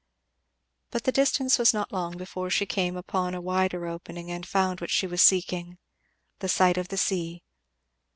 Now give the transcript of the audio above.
But the distance was not long before she came out upon a wider opening and found what she was seeking the sight of the sea.